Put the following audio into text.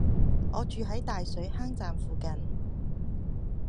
我住喺大水坑站附近